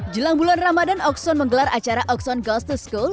jelang bulan ramadan okson menggelar acara okson gost to school